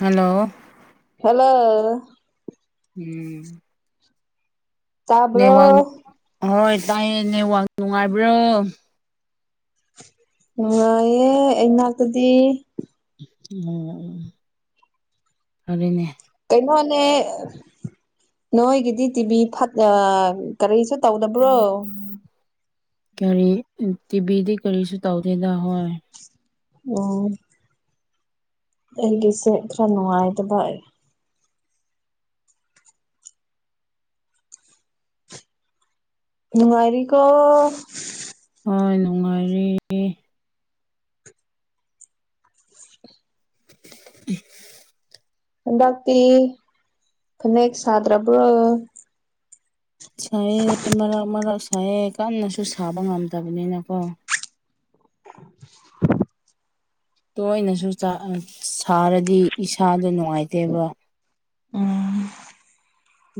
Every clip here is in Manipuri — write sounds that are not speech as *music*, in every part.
ꯍꯜꯂꯣ ꯍꯜꯂꯣ ꯎꯝ ꯅꯦꯋꯥꯡ ꯇꯥꯕ꯭ꯔꯣ ꯍꯣꯏ ꯇꯥꯏꯌꯦ ꯅꯦꯠꯋꯥꯛ ꯅꯨꯡꯉꯥꯏꯕ꯭ꯔꯣ ꯅꯨꯡꯉꯥꯏꯌꯦ ꯑꯩꯅꯥꯛꯇꯗꯤ ꯑꯣ ꯐꯔꯦꯅꯦ ꯀꯩꯅꯣꯅꯦ ꯅꯣꯏꯒꯤꯗꯤ ꯇꯤꯚꯤ ꯐꯠꯇ ꯑ ꯀꯔꯤꯁꯨ ꯇꯧꯗꯕ꯭ꯔꯣ ꯀꯔꯤ ꯇꯤꯚꯤꯗꯤ ꯀꯔꯤꯁꯨ ꯇꯧꯗꯦꯗ ꯍꯣꯏ ꯑꯣ ꯑꯩꯒꯤꯁꯦ ꯈꯔ ꯅꯨꯡꯉꯥꯏꯗꯕ ꯅꯨꯡꯉꯥꯏꯔꯤ ꯀꯣ ꯍꯣꯏ ꯅꯨꯡꯉꯥꯏꯔꯤ ꯎ *inaudible* ꯍꯟꯗꯛꯇꯤ ꯐꯅꯦꯛ ꯁꯥꯗ꯭ꯔꯕ꯭ꯔꯣ ꯁꯥꯏꯑ ꯃꯔꯛ ꯃꯔꯛ ꯁꯥꯏꯑ ꯀꯟꯅꯁꯨ ꯁꯥꯕ ꯉꯝꯗꯝꯅꯤꯅꯀꯣ ꯇꯣꯏꯅꯁꯨ ꯆꯥ ꯁꯥꯔꯗꯤ ꯏꯁꯥꯗ ꯅꯨꯡꯉꯥꯏꯇꯦꯕ ꯎꯝ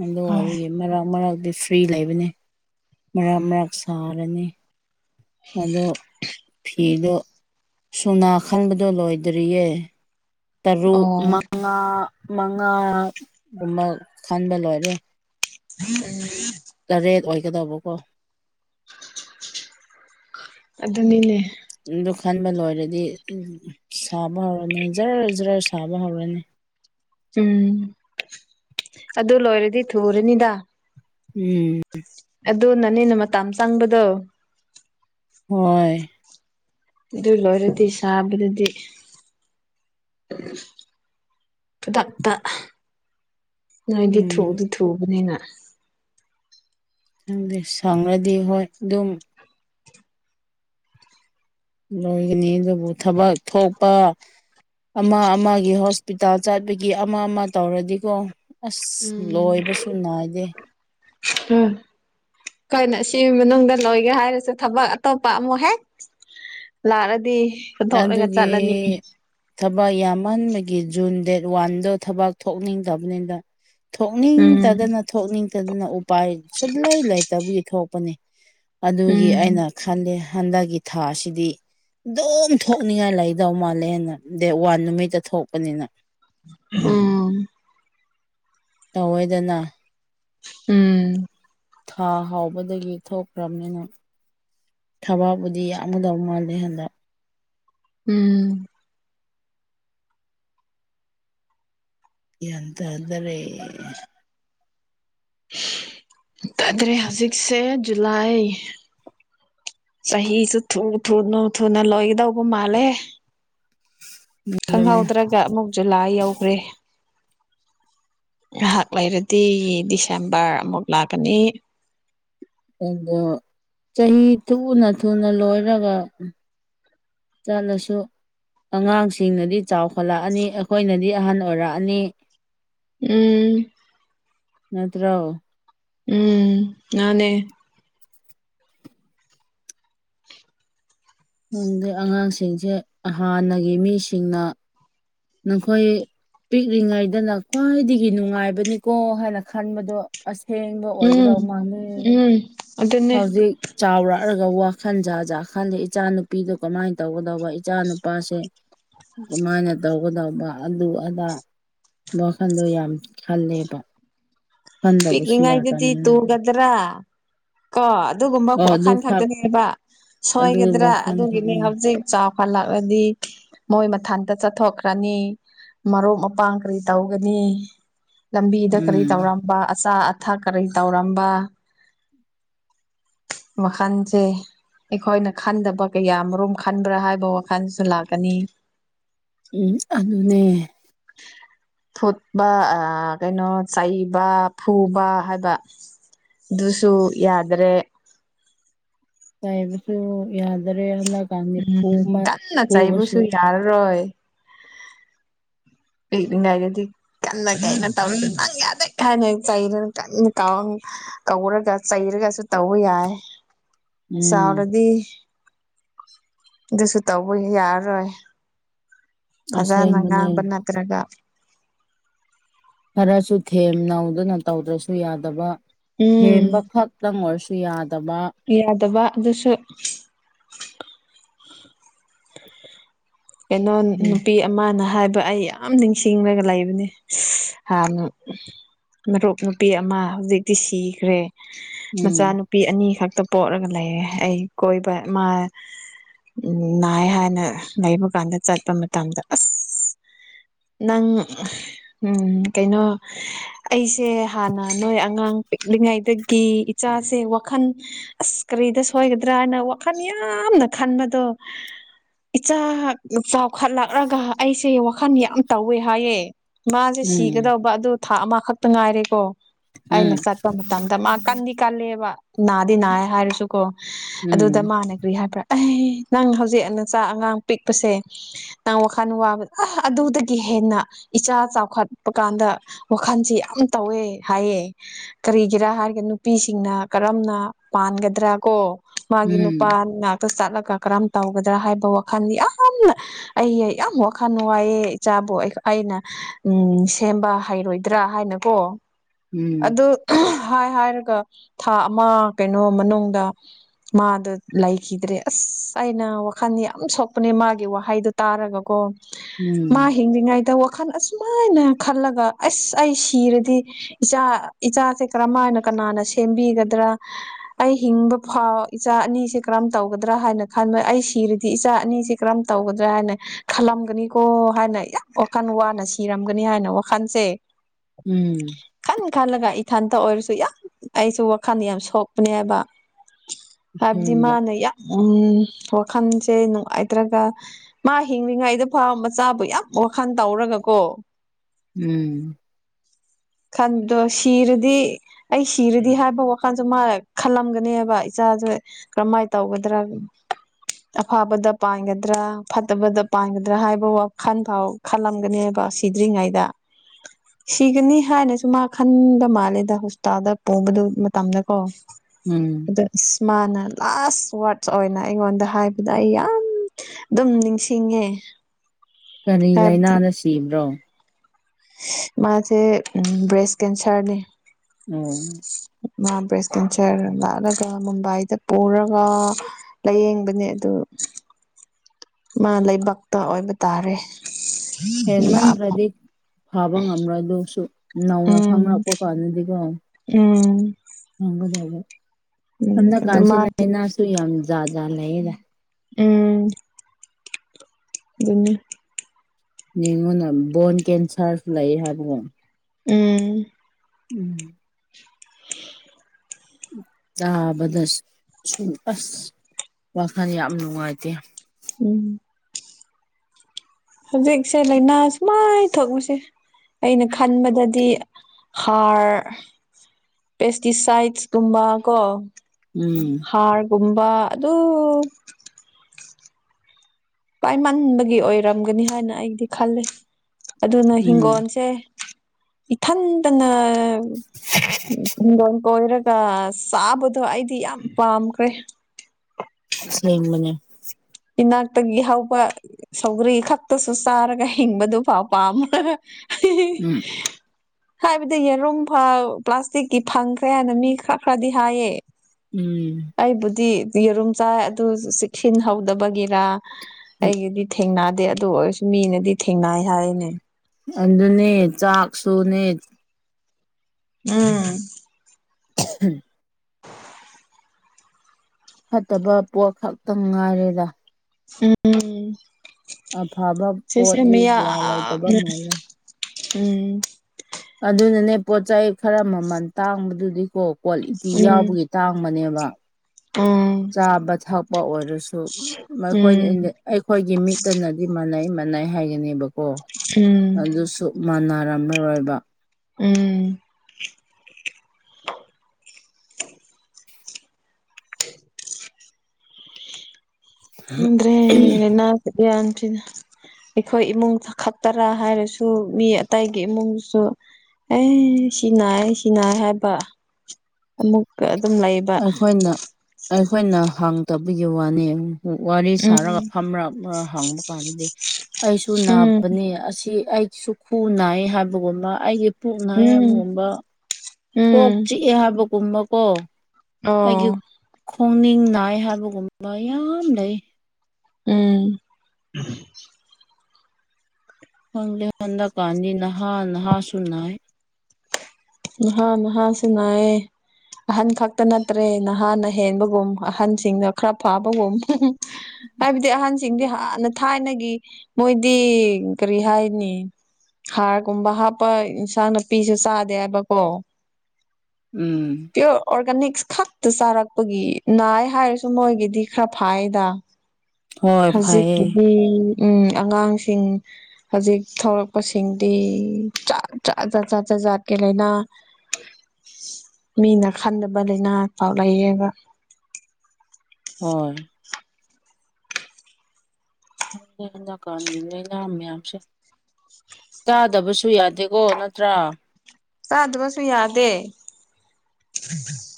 ꯑꯗꯨ ꯍꯣꯏ ꯑꯣꯏꯕꯒꯤ ꯃꯔꯛ ꯃꯔꯛꯇꯤ ꯐ꯭ꯔꯤ ꯂꯩꯕꯅꯤ ꯃꯔꯛ ꯃꯔꯛ ꯁꯥꯔꯅꯤ ꯑꯗꯣ ꯐꯤꯗꯣ ꯁꯨꯅꯥ ꯈꯪꯕꯗꯣ ꯂꯣꯏꯗ꯭ꯔꯤꯌꯦ ꯇꯔꯨꯛ ꯑꯣ ꯃꯉꯥ ꯃꯉꯥꯒꯨꯝꯕ ꯈꯟꯕ ꯂꯣꯏꯔꯦ *unintelligible* ꯇꯔꯦꯠ ꯑꯣꯏꯒꯗꯕꯀꯣ ꯑꯗꯨꯅꯤꯅꯦ ꯑꯗꯨ ꯈꯟꯕ ꯂꯣꯏꯔꯗꯤ ꯁꯥꯕ ꯍꯧꯔꯅꯤ ꯖꯔ ꯖꯔ ꯁꯥꯕ ꯍꯧꯔꯅꯤ ꯎꯝ ꯑꯗꯨ ꯂꯣꯏꯔꯗꯤ ꯊꯨꯔꯅꯤꯗꯥ ꯎꯝ ꯑꯗꯨꯅꯅꯤꯅ ꯃꯇꯝ ꯆꯪꯕꯗꯣ ꯍꯣꯏ ꯑꯗꯨ ꯂꯣꯏꯔꯗꯤ ꯁꯥꯕꯗꯨꯗꯤ ꯈꯨꯗꯛꯇ ꯅꯣꯏꯗꯤ ꯎꯝ ꯊꯨꯗꯤ ꯊꯨꯕꯅꯤꯅ ꯈꯪꯗꯦ ꯁꯪꯉꯔꯗꯤ ꯍꯣꯏ ꯑꯗꯨꯝ ꯂꯣꯏꯒꯅꯤ ꯑꯗꯨꯕꯨ ꯊꯕꯛ ꯊꯣꯛꯄ ꯑꯃ ꯑꯃꯒꯤ ꯍꯣꯁ ꯄꯤꯇꯥꯜ ꯆꯠꯄꯒꯤ ꯑꯃ ꯑꯃ ꯇꯧꯔꯗꯤꯀꯣ ꯑꯁ ꯂꯣꯏꯕꯁꯨ ꯅꯥꯏꯗꯦ ꯑꯝ ꯀꯥꯏꯅ ꯑꯁꯤ ꯃꯅꯨꯡꯗ ꯂꯣꯏꯒꯦ ꯍꯥꯏꯔꯁꯨ ꯊꯕꯛ ꯑꯇꯣꯞꯄ ꯑꯃꯨꯛ ꯍꯦꯛ ꯂꯥꯛꯂꯗꯤ ꯍꯨꯇꯣꯛꯂꯒ ꯑꯗꯨꯒꯤ ꯆꯠꯂꯅꯤ ꯊꯕꯛ ꯌꯥꯝꯃꯟꯕꯒꯤ ꯖꯨꯟ ꯗꯦꯠ ꯋꯥꯟꯗꯣ ꯊꯕꯛ ꯊꯣꯛꯅꯤꯡꯗꯕꯅꯦꯗ ꯎꯝ ꯊꯣꯛꯅꯤꯡꯗꯗꯅ ꯊꯣꯛꯅꯤꯡꯗꯗꯅ ꯎꯄꯥꯏ ꯁꯨꯛꯂꯩ ꯂꯩꯇꯕꯒꯤ ꯊꯣꯛꯄꯅꯤ ꯑꯗꯨꯒꯤ ꯎꯝ ꯑꯩꯅ ꯈꯜꯂꯦ ꯍꯟꯗꯛꯀꯤ ꯊꯥꯁꯤꯗꯤ ꯗꯨꯝ ꯊꯣꯛꯅꯤꯡꯉ ꯂꯩꯗꯧ ꯃꯥꯜꯂꯦꯅ ꯗꯦꯠ ꯋꯥꯟ ꯅꯨꯃꯤꯠꯇ ꯊꯣꯛꯄꯅꯤꯅ ꯎꯝ ꯇꯧꯋꯦꯗꯅꯥ ꯎꯝ ꯊꯥ ꯍꯥꯎꯕꯗꯒꯤ ꯊꯣꯛꯈ꯭ꯔꯕꯅꯦꯅ ꯊꯕꯛꯕꯨꯗꯤ ꯌꯥꯝꯒꯗꯧ ꯃꯥꯜꯂꯦ ꯍꯟꯗꯛ ꯎꯝ ꯒꯌꯥꯟ ꯇꯥꯗ꯭ꯔꯦ ꯇꯥꯗ꯭ꯔꯦ ꯍꯧꯖꯤꯛꯁꯦ ꯖꯨꯂꯥꯏ ꯆꯍꯤꯁꯨ ꯊꯨ ꯊꯨꯅ ꯊꯨꯅ ꯂꯣꯏꯒꯗꯧꯕ ꯃꯥꯜꯂꯦ ꯑꯗꯨꯅꯦ ꯈꯪꯍꯧꯗ꯭ꯔꯒ ꯑꯃꯨꯛ ꯖꯨꯂꯥꯏ ꯌꯧꯒ꯭ꯔꯦ ꯉꯥꯏꯍꯥꯛ ꯂꯩꯔꯗꯤ ꯗꯤꯁꯦꯝꯕꯔ ꯑꯃꯨꯛ ꯂꯥꯛꯀꯅꯤ ꯑꯗꯣ ꯆꯍꯤ ꯊꯨꯅ ꯊꯨꯅ ꯂꯣꯏꯔꯒ ꯆꯠꯂꯁꯨ ꯑꯉꯥꯡꯁꯤꯡꯅꯗꯤ ꯆꯥꯎꯈꯠꯂꯛꯑꯅꯤ ꯑꯩꯈꯣꯏꯅꯗꯤ ꯑꯍꯟ ꯑꯣꯏꯔꯛꯑꯅꯤ ꯎꯝ ꯅꯠꯇ꯭ꯔꯣ ꯎꯝ ꯃꯥꯅꯦ ꯈꯪꯗꯦ ꯑꯉꯥꯡꯁꯤꯡꯁꯦ ꯍꯥꯟꯅꯒꯤ ꯃꯤꯁꯤꯡꯅ ꯅꯈꯣꯏ ꯄꯤꯛꯂꯤꯉꯩꯗꯅ ꯈ꯭ꯋꯥꯏꯗꯒꯤ ꯅꯨꯡꯉꯥꯏꯕꯅꯤꯀꯣ ꯍꯥꯏꯅ ꯈꯟꯕꯗꯣ ꯑꯁꯦꯡꯕ ꯎꯝ ꯑꯣꯏꯒꯗꯧ ꯃꯥꯥꯟꯂꯦ ꯎꯝ ꯑꯗꯨꯅꯦ ꯍꯧꯖꯤꯛ ꯆꯥꯎꯔꯛꯑꯔꯒ ꯋꯥꯈꯜ ꯖꯥ ꯖꯥꯠ ꯈꯟꯂꯦ ꯏꯆꯥꯅꯨꯄꯤꯗꯣ ꯀꯃꯥꯏꯟ ꯇꯧꯒꯗꯧꯕ ꯏꯆꯥ ꯅꯨꯨꯄꯥꯁꯨ ꯀꯨꯃꯥꯏꯅ ꯇꯧꯒꯗꯧꯕ ꯑꯗꯨ ꯑꯗꯥ ꯋꯥꯈꯜꯗꯣ ꯌꯥꯝ ꯈꯜꯂꯦꯕ ꯈꯟꯗꯥꯕꯁꯨ ꯌꯥꯗꯕꯅꯤꯅ ꯎꯗ꯭ꯔꯥ *inaudible* ꯀꯣ ꯑꯗꯨꯒꯨꯝꯕ ꯑꯣ ꯋꯥꯈꯜ ꯑꯗꯨꯈꯛ ꯈꯛꯇꯅꯦꯕ ꯑꯗꯨ ꯁꯣꯏꯒꯗ꯭ꯔꯥ ꯋꯥꯈꯜ ꯑꯗꯨꯒꯤꯅꯦ ꯈꯛꯅꯦ ꯍꯧꯖꯤꯛ ꯆꯥꯎꯈꯠꯂꯛꯂꯥꯗꯤ ꯃꯣꯏ ꯃꯊꯟꯇ ꯆꯠꯊꯣꯛꯈ꯭ꯔꯅꯤ ꯃꯔꯨꯞ ꯃꯄꯥꯡ ꯀ꯭ꯔꯤ ꯇꯧꯒꯥꯅꯤ ꯂꯝꯕꯤꯗ ꯀꯔꯤ ꯎꯝ ꯇꯧꯔꯝꯕ ꯑꯆꯥ ꯑꯊꯛ ꯀꯔꯤ ꯇꯧꯔꯝꯕ ꯋ ꯥꯈꯟꯖꯦ ꯑꯩꯈꯣꯏꯅ ꯈꯟꯗꯕ ꯀꯌꯥ ꯃꯔꯨꯝ ꯈꯟꯕ꯭ꯔꯥ ꯍꯥꯏꯕ ꯋꯥꯈꯟꯁꯨ ꯂꯥꯛꯀꯅꯤ ꯎꯝ ꯑꯗꯨꯅꯦ ꯊꯨꯠꯄ ꯑꯥ ꯀꯩꯅꯣ ꯆꯩꯕ ꯐꯨꯕ ꯍꯥꯏꯕ ꯗꯨꯁꯨ ꯌꯥꯗ꯭ꯔꯦ ꯆꯩꯕꯁꯨ ꯌꯥꯗ꯭ꯔꯦ *unintelligible* ꯀꯥꯅꯤ ꯎꯝ ꯐꯨꯃ ꯀꯟꯅ ꯐꯨꯕꯁꯨ ꯆꯩꯕꯁꯨ ꯌꯥꯔꯔꯣꯏ ꯄꯤꯛꯂꯤꯉꯩꯗꯗꯤ *unintelligible* ꯇꯧꯔꯒ ꯆꯩꯔꯒꯁꯨ ꯇꯧꯕ ꯌꯥꯏ ꯎꯝ ꯆꯥꯎꯔꯗꯤ ꯑꯗꯨꯁꯨ ꯇꯧꯕ ꯌꯥꯔꯔꯣꯏ ꯐꯖꯅ ꯑꯁꯦꯡꯕꯅꯦ ꯉꯥꯡꯕ ꯅꯠꯇ꯭ꯔꯒ ꯈꯔꯥꯁꯨ ꯊꯦꯝ ꯅꯧꯗꯥꯅ ꯇꯧꯗ꯭ꯔꯁꯨ ꯌꯥꯗꯕ ꯎꯝ ꯊꯦꯝꯕ ꯈꯛ ꯇꯪ ꯑꯣꯏꯔꯁꯨ ꯌꯥꯗꯕ ꯌꯥꯗꯕ ꯑꯗꯨꯁꯨ ꯀꯩꯅꯣ ꯎꯝ ꯅꯨꯄꯤ ꯃꯥꯅ ꯍꯥꯏꯕ ꯑꯩ ꯌꯥꯝ ꯅꯤꯡꯁꯤꯡꯂꯒ ꯂꯩꯕꯅꯦ ꯍꯥꯟꯅ ꯃꯔꯨꯞ ꯅꯨꯄꯤ ꯑꯃ ꯍꯧꯖꯤꯛꯇꯤ ꯁꯤꯈ꯭ꯔꯦ ꯃꯆꯥꯅꯨ ꯎꯝ ꯅꯨꯄꯤ ꯑꯅꯤ ꯈꯛꯇ ꯄꯣꯛꯂꯥꯒ ꯂꯩꯔꯦ ꯑꯩ ꯀꯣꯏꯕ ꯃꯥ ꯅꯥꯏ ꯍꯥꯏꯅ ꯂꯩꯕ ꯀꯥꯟꯗ ꯆꯠꯄ ꯃꯇꯝꯗ ꯑꯁ ꯅꯪ ꯎꯝ ꯀꯩꯅꯣ ꯑꯩꯁꯦ ꯍꯥꯟꯅ ꯅꯣꯏ ꯑꯉꯥꯡ ꯄꯤꯛꯂꯤꯉꯩꯗꯒꯤ ꯆꯥꯁꯦ ꯋꯥꯈꯜ ꯑꯁ ꯀ꯭ꯔꯤꯗ ꯁꯣꯏꯒꯗ꯭ꯔꯥꯅ ꯋꯥꯈꯜ ꯌꯥꯝꯅ ꯈꯟꯕꯥꯗꯣ ꯏꯆꯥ ꯆꯥꯎꯈꯠꯂꯛꯂꯥꯒ ꯑꯩꯁꯦ ꯋꯥꯈꯜ ꯌꯥꯝ ꯇꯧꯋꯦ ꯍꯥꯏꯌꯦ ꯃꯥꯁꯦ ꯁꯤꯒꯗꯧꯕ ꯑꯗꯨ ꯊꯥ ꯑꯃꯈꯛꯇ ꯉꯥꯏꯔꯦꯀꯣ ꯎꯝ ꯑꯩꯅ ꯆꯠꯄ ꯃꯇꯝꯗ ꯃꯥ ꯀꯟꯗꯤ ꯀꯜꯂꯦꯕꯥ ꯅꯥꯗꯤ ꯅꯥꯏ ꯍꯥꯏꯔꯁꯨ ꯀꯣ ꯑꯗꯨꯗ ꯎꯝ ꯃꯥꯅ ꯀ꯭ꯔꯤ ꯍꯥꯏꯕ꯭ꯔꯥ ꯑꯩ ꯅꯪ ꯍꯧꯖꯤꯛ ꯅꯆꯥ ꯑꯉꯥꯡ ꯄꯤꯛꯄꯁꯦ ꯅꯪ ꯋꯥꯈꯜ ꯋꯥꯕ ꯑ ꯑꯗꯨꯗꯒꯤ ꯍꯦꯟꯅ ꯏꯆꯥ ꯆꯥꯎꯈꯠꯄ ꯀꯥꯟꯗ ꯋꯥꯈꯜꯁꯦ ꯌꯥꯝ ꯇꯧꯋꯦ ꯍꯥꯏꯌꯦ ꯀꯥꯔꯤꯒꯤꯔꯥ ꯍꯥꯏꯒ ꯅꯨꯄꯤꯁꯤꯡꯅ ꯀꯔꯝꯅ ꯄꯥꯟꯒꯗ꯭ꯔꯥ ꯀꯣ ꯃꯥꯒꯤ ꯅꯨꯄꯥ ꯎꯝ ꯅꯥꯛꯇ ꯆꯠꯂꯒ ꯀꯔꯝ ꯇꯧꯒꯗ꯭ꯔꯥ ꯍꯥꯏꯕ ꯋꯥꯈꯜ ꯌꯥꯝꯅ ꯑꯩ ꯌꯥꯝ ꯋꯥꯈꯜ ꯅꯨꯡꯉꯥꯏꯌꯦ ꯏꯆꯥꯕꯨ ꯑꯩꯅ ꯎꯝ ꯁꯦꯝꯕ ꯍꯩꯔꯣꯏꯗ꯭ꯔꯥ ꯍꯥꯏꯅ ꯀꯣ ꯎꯝ ꯑꯗꯨ ꯍꯥꯏ ꯍꯥꯏꯔꯒ ꯊꯥ ꯑꯃ ꯀꯩꯅꯣ ꯃꯅꯨꯡꯗ ꯃꯥꯗꯣ ꯂꯩꯈꯤꯗ꯭ꯔꯦ ꯑꯁ ꯑꯩꯅ ꯋꯥꯈꯜ ꯌꯥꯝ ꯁꯣꯛ ꯄꯨꯅꯤꯃꯥꯒꯤ ꯋꯥꯍꯩꯗꯣ ꯇꯥꯔꯒꯀꯣ ꯃꯥ ꯎꯝ ꯍꯤꯡꯂꯤꯉꯩꯗ ꯋꯥꯈꯜ ꯑꯗꯨꯃꯥꯏꯅ ꯈꯜꯂꯒ ꯑꯁ ꯑꯩ ꯁꯤꯔꯗꯤ ꯏꯆꯥ ꯏꯆꯥꯁꯦ ꯀꯔꯝꯃꯥꯏꯅ ꯀꯅꯥꯅ ꯁꯦꯝꯕꯤꯒꯗ꯭ꯔꯥ ꯑꯩ ꯍꯤꯡꯕ ꯐꯥꯎ ꯏꯆꯥ ꯑꯅꯤꯁꯦ ꯀꯔꯝ ꯇꯧꯒꯗ꯭ꯔꯥ ꯍꯥꯏꯅ ꯈꯟꯂꯦ ꯑꯩ ꯁꯤꯔꯗꯤ ꯏꯆꯥ ꯑꯅꯤꯁꯤ ꯁꯤ ꯀ꯭ꯔꯝ ꯇꯧꯒꯗ꯭ꯔꯥ ꯍꯥꯏꯅ ꯈꯜꯂꯝꯒꯅꯤꯀꯣ ꯍꯥꯏꯅ ꯌꯥꯝ ꯋꯥꯈꯜ ꯋꯥꯅ ꯁꯤꯔꯝꯒꯅꯤ ꯍꯥꯏꯅ ꯋꯥꯈꯜꯁꯦ ꯎꯝ ꯈꯟ ꯈꯜꯂꯒ ꯏꯊꯟꯇ ꯑꯣꯏꯔꯁꯨ ꯌꯥꯝ ꯑꯩꯁꯨ ꯋꯥꯈꯜ ꯌꯥꯝ ꯁꯣꯛꯄꯅꯦꯕ *inaudible* ꯍꯥꯏꯕꯗꯤ ꯃꯥꯅ ꯌꯥꯝ ꯎ ꯋꯥꯈꯜꯁꯦ ꯅꯨꯉꯥꯏ ꯇ꯭ꯔꯒ ꯃꯥ ꯍꯤꯡꯂꯤꯉꯥꯏꯗ ꯐꯥꯎ ꯃꯆꯥꯕꯨ ꯌꯥꯝ ꯋꯥꯈꯜ ꯇꯧꯔꯒ ꯀꯣ ꯎꯝ ꯈꯟꯗꯣ ꯁꯤꯔꯗꯤ ꯑꯩ ꯁꯤꯔꯗꯤ ꯍꯥꯏꯕ ꯋꯥꯈꯜꯁꯨ ꯃꯥ ꯈꯜꯂꯝꯒꯅꯤꯕ ꯏꯆꯥꯁꯦ ꯀꯔꯝꯍꯥꯏꯅ ꯇꯧꯒꯗ꯭ꯔꯥ ꯑꯐꯥꯕꯗ ꯄꯥꯟꯒꯗ꯭ꯔꯥ ꯐꯠꯇꯕꯗ ꯄꯥꯟꯒꯗ꯭ꯔꯥ ꯍꯥꯏꯕ ꯋꯥꯈꯜ ꯐꯥꯎ ꯈꯜꯂꯝꯒꯅꯦꯕ ꯁꯤꯗ꯭ꯔꯤꯉꯩꯗ ꯁꯤꯒꯥꯅꯤ ꯍꯥꯏꯅꯁꯨ ꯃꯥ ꯈꯟꯕ ꯃꯥꯜꯂꯦꯗ ꯍꯣꯁꯄꯤꯇꯥꯜꯗ ꯄꯨꯕꯥꯗꯨ ꯃꯇꯝꯗ ꯀꯣ ꯎꯝ ꯑꯗ ꯑꯁ ꯃꯥꯅ ꯂꯥꯁ ꯋꯥꯔꯗꯁ ꯑꯣꯏꯅ ꯑꯩꯉꯣꯟꯗ ꯍꯥꯏꯕꯗ ꯑꯩ ꯌꯥꯝ ꯑꯗꯨꯝ ꯅꯤꯡꯁꯤꯡꯉꯦ ꯀꯥꯔꯤ ꯍꯥꯏꯕꯗꯤ ꯂꯩꯅꯥꯅ ꯁꯤꯕ꯭ꯔꯣ ꯃꯥꯖꯦ ꯕ꯭ꯔꯦꯁ ꯀꯦꯟꯁꯔꯅꯦ ꯎꯝ ꯃꯥ ꯕ꯭ꯔꯦꯁ ꯀꯦꯟꯁꯔ ꯅꯥꯔꯒ ꯃꯨꯝꯕꯥꯏꯗ ꯄꯨꯔꯒ ꯂꯥꯏꯌꯦꯡꯕꯅꯦ ꯑꯗꯨ ꯃꯥ ꯂꯩꯕꯥꯛꯇ ꯑꯣꯏꯕ ꯇꯥꯔꯦ ꯎꯝ ꯍꯦꯟꯃꯟꯈ꯭ꯔꯗꯤ ꯐꯕ ꯉꯝꯔꯣꯏ ꯑꯗꯨꯁꯨ ꯅꯧꯅ ꯈꯪꯔꯛꯄ ꯀꯥꯟꯗꯗꯤꯀꯣ ꯎꯝ ꯍꯤꯡꯒꯗꯕ ꯎꯝ ꯑꯗꯨ ꯁꯨꯝꯀꯥꯟꯁꯦ ꯃꯥꯒꯤ ꯂꯥꯏꯅꯥꯁꯨ ꯌꯥꯝ ꯖꯥꯠ ꯖꯥꯠ ꯂꯩꯌꯦ ꯎꯝ ꯑꯗꯨꯅ ꯌꯦꯡꯉꯣꯅ ꯕꯣꯟ ꯀꯦꯟꯁꯔꯁꯨ ꯂꯩ ꯍꯥꯏꯕꯒꯨꯝ ꯎꯝ *inaudible* *unintelligible* ꯇꯥꯕꯗꯁꯨ ꯑꯁ ꯋꯥꯈꯜ ꯌꯥꯝ ꯅꯨꯡꯉꯥꯏꯇꯦ ꯎꯝ ꯍꯧꯖꯤꯛꯁꯦ ꯂꯩꯅꯥ ꯁꯨꯝꯃꯥꯏ ꯇꯧꯕꯁꯦ ꯑꯩꯅ ꯈꯟꯕꯗꯗꯤ ꯍꯥꯔ ꯄꯦꯁꯇꯤꯁꯥꯏꯠꯁꯀꯨꯝꯕ ꯀꯣ ꯎꯝ ꯍꯥꯔꯒꯨꯝꯕ ꯑꯗꯨ ꯄꯥꯏꯃꯟꯕꯒꯤ ꯑꯣꯏꯔꯝꯒꯅꯤ ꯍꯥꯏꯅ ꯑꯩꯗꯤ ꯈꯜꯂꯦ ꯑꯗꯨꯅ ꯎꯝ ꯍꯤꯡꯒꯣꯜꯁꯦ ꯏꯊꯟꯇꯅ ꯍꯤꯡꯒꯣꯜ ꯈꯣꯏꯔꯒ ꯆꯥꯕꯗꯣ ꯑꯩꯗꯤ ꯌꯥꯝ ꯄꯥꯝꯈ꯭ꯔꯦ *unintelligible* ꯏꯅꯥꯛꯇꯒꯤ ꯍꯧꯕ ꯁꯧꯒ꯭ꯔꯤ ꯈꯛꯇꯁꯨ ꯆꯥꯔꯒ ꯍꯤꯡꯕꯗꯨ ꯐꯥꯎ ꯄꯥꯝꯃꯦ ꯎꯝ *unintelligible* ꯍꯥꯏꯕꯗꯤ ꯌꯦꯔꯨꯝ ꯐꯥꯎ ꯄ꯭ꯂꯥꯁꯇꯤꯛꯀꯤ ꯐꯪꯈꯔꯦ ꯍꯥꯏꯅ ꯃꯤ ꯈꯔ ꯈꯔꯗꯤ ꯍꯥꯏꯌꯦ ꯎꯝ ꯑꯩꯕꯨꯗꯤ ꯌꯦꯔꯨꯝ ꯆꯥꯏ ꯑꯗꯨ ꯆꯦꯛꯁꯤꯟꯍꯧꯗꯕꯒꯤꯔ ꯑꯩꯒꯤꯗꯤ ꯊꯦꯡꯅꯗꯦ ꯑꯗꯨ ꯑꯣꯏꯔꯁꯨ ꯃꯤꯅꯗꯤ ꯊꯦꯡꯅꯩ ꯍꯥꯏꯌꯦ ꯑꯗꯨꯅꯦ ꯆꯥꯛꯁꯨꯅꯦ ꯎꯝ *unintelligible* ꯐꯠꯇꯕ ꯄꯣꯠ ꯈꯛꯇꯪ ꯉꯥꯏꯔꯦꯗ ꯎꯝ *unintelligible* ꯑꯐꯕ ꯁꯤꯁꯦ ꯄꯣꯠꯗꯤ ꯀꯌꯥ ꯂꯩꯇꯕ ꯃꯤꯌꯥꯝꯅ ꯃꯥꯜꯂꯦ ꯎꯝ ꯑꯗꯨꯅꯅꯦ ꯄꯣꯠ ꯆꯩ ꯈꯔ ꯃꯃꯜ ꯇꯥꯡꯕꯗꯨꯗꯤꯀꯣ ꯀ꯭ꯋꯥꯂꯤꯇꯤ ꯎꯝ ꯌꯥꯎꯕꯒꯤ ꯇꯥꯡꯕꯅꯦꯕ ꯎꯝ ꯆꯥꯕ ꯊꯛꯄ ꯑꯣꯏꯔꯁꯨ ꯃꯈꯣꯏ *unintelligible* ꯎꯝ ꯑꯩꯈꯣꯏꯒꯤ ꯃꯤꯠꯇꯅ ꯑꯗꯨꯗꯤ ꯃꯥꯟꯅꯩ ꯃꯥꯟꯅꯩ ꯍꯥꯏꯒꯅꯤꯕꯀꯣ ꯎꯝ ꯑꯗꯨꯁꯨ ꯃꯥꯟꯅꯔꯝꯃꯔꯣꯏꯕ ꯎꯝ *unintelligible* *inaudible* ꯉꯝꯗꯔꯦ ꯂꯩꯅꯥ ꯃꯌꯥꯝꯁꯤꯅ ꯑꯩꯈꯣꯏ ꯏꯃꯨꯡ ꯈꯠꯇꯔꯥ ꯍꯥꯏꯔꯁꯨ ꯃꯤ ꯑꯇꯩꯒꯤ ꯏꯃꯨꯡꯁꯨ ꯑꯦ ꯁꯤ ꯅꯥꯏ ꯁꯤ ꯅꯥꯏ ꯍꯥꯏꯕ ꯑꯃꯨꯛꯀ ꯑꯗꯨꯝ ꯂꯩꯕ ꯑꯩꯈꯣꯏꯅ ꯑꯩꯈꯣꯏꯅ ꯍꯥꯡꯗꯕꯒꯤ ꯋꯥꯅꯦ ꯋꯥꯔꯤ ꯎꯝ ꯁꯥꯔꯒ ꯐꯝ ꯍꯪꯕ ꯀꯥꯟꯗꯗꯤ ꯑꯩꯁꯨ ꯎꯝ ꯅꯥꯕꯅꯤ ꯑꯁꯤ ꯑꯩꯁꯨ ꯈꯨ ꯅꯥꯏ ꯍꯥꯏꯕꯒꯨꯝꯕ ꯑꯩꯒꯤ ꯄꯨꯛ ꯅꯥꯏ ꯎꯝ ꯍꯥꯏꯕꯒꯨꯝꯕ ꯀꯣꯛ ꯎꯝ ꯆꯤꯛꯑꯦ ꯍꯥꯏꯕꯒꯨꯝꯕꯀꯣ ꯑꯣ ꯑꯩꯒꯤ ꯈꯣꯡꯅꯤꯡ ꯅꯥꯏ ꯍꯥꯏꯕꯒꯨꯝꯕ ꯌꯥꯝ ꯂꯩ ꯎꯝ ꯈꯪꯗꯦ ꯍꯟꯗꯛ ꯀꯥꯟꯗꯤ ꯅꯍꯥ ꯅꯍꯥ ꯁꯨ ꯅꯥꯏ ꯅꯍꯥ ꯅꯍꯥ ꯁꯨ ꯅꯥꯏꯌꯦ ꯑꯍꯟ ꯈꯛꯇ ꯅꯠꯇ꯭ꯔꯦ ꯅꯍꯥꯅ ꯍꯦꯟꯕꯒꯨꯝ ꯑꯍꯟꯁꯤꯡꯅ ꯈꯔ ꯐꯥꯕꯒꯨꯝ ꯍꯥꯏꯕꯗꯤ ꯑꯍꯟꯁꯤꯡꯗꯤ ꯍꯥꯟꯅ ꯊꯥꯏꯅꯒꯤ ꯃꯣꯏꯗꯤ ꯀꯔꯤ ꯍꯥꯏꯅꯤ ꯍꯥꯔꯒꯨꯝꯕ ꯍꯥꯞꯄ ꯏꯟꯁꯥꯡ ꯅꯥꯄꯤꯁꯨ ꯆꯥꯗꯦ ꯍꯥꯏꯕꯀꯣ ꯎꯝ ꯄꯤꯌꯣꯔ ꯑꯣꯔꯒꯥꯅꯤꯛꯁ ꯈꯛꯇ ꯆꯥꯔꯛꯄꯒꯤ ꯅꯥꯏ ꯍꯥꯏꯔꯁꯨ ꯃꯣꯏꯒꯤꯗꯤ ꯈꯔ ꯐꯥꯏꯗ ꯍꯣꯏ ꯐꯩꯌꯦ ꯍꯧꯖꯤꯛꯀꯤꯗꯤ ꯎꯝ ꯑꯉꯥꯡꯁꯤꯡ ꯍꯧꯖꯤꯛ ꯊꯣꯔꯛꯄꯁꯤꯡꯗꯤ ꯆ ꯖꯠ ꯖꯠ ꯖꯠ ꯖꯠ ꯖꯥꯠꯀꯤ ꯂꯥꯏꯅꯥ *inaudible* *unintelligible* ꯃꯤꯅ ꯈꯟꯅꯕ ꯂꯥꯏꯅꯥ ꯄꯥꯎ ꯂꯩꯌꯦꯕ ꯍꯣꯏ ꯍꯟꯗ ꯍꯟꯗꯛꯀꯥꯟꯒꯤ ꯂꯥꯏꯅꯥ ꯃꯌꯥꯝꯁꯦ ꯇꯥꯗꯕꯁꯨ ꯌꯥꯗꯦꯀꯣ ꯅꯠꯇ꯭ꯔꯥ ꯆꯥꯗꯕꯁꯨ ꯌꯥꯗꯦ *unintelligible*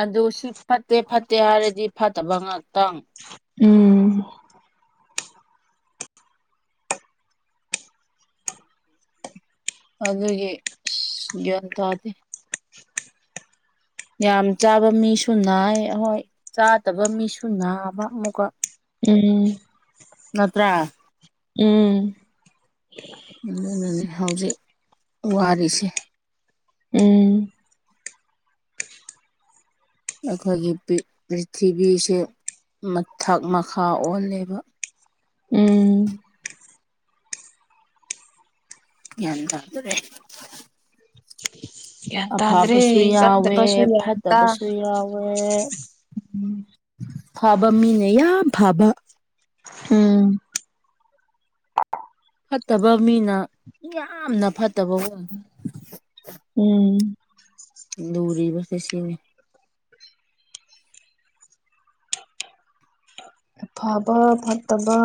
ꯑꯗꯨ ꯁꯤ ꯐꯠꯇꯦ ꯐꯠꯇꯦ ꯍꯥꯏꯔꯗꯤ ꯐꯠꯇꯕ ꯉꯥꯛꯇꯪ ꯎꯝ *unintelligible* *unintelligible* *inaudible* ꯑꯗꯨꯒꯤ *unintelligible* ꯒ꯭ꯌꯥꯟ ꯇꯥꯗꯦ ꯌꯥꯝ ꯆꯥꯕ ꯃꯤꯁꯨ ꯅꯥꯏ ꯍꯣꯏ ꯆꯥꯗꯕ ꯃꯤꯁꯨ ꯅꯥꯕ ꯑꯃꯨꯛꯀ ꯎꯝ ꯅꯠꯇꯔꯥ ꯎꯝ ꯑꯗꯨꯅꯅꯦ ꯍꯧꯖꯤꯛ ꯋꯥꯔꯤꯁꯦ ꯎꯝ ꯑꯈꯣꯏꯒꯤ ꯄꯔꯤ ꯄ꯭ꯔꯤꯊꯤꯕꯤꯁꯦ ꯃꯊꯛ ꯃꯈꯥ ꯑꯣꯜꯂꯦꯕ ꯎꯝ *unintelligible* ꯌꯥꯟꯇꯥꯗꯔꯦ ꯌꯥꯟꯇꯥꯗꯔꯦ ꯑꯐꯕꯁꯨ ꯆꯪꯇ ꯌꯥꯎꯋꯦ ꯄꯁꯨ ꯌꯥꯇ ꯐꯠꯇꯕꯁꯨ ꯎꯝ *unintelligible* *inaudible* ꯐꯥꯕ ꯃꯤꯅ ꯌꯥꯝ ꯐꯥꯕ ꯎꯝ ꯐꯠꯇꯕ ꯃꯤꯅ ꯌꯥꯝꯅ ꯐꯠꯇꯕ ꯑꯣꯏ꯫ ꯎꯝ꯫ ꯂꯨꯔꯤꯕꯁꯦ ꯁꯤꯅꯤ ꯑꯐꯕ ꯐꯠꯇꯕ꯫